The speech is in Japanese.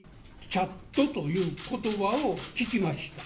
チャットということばを聞きました。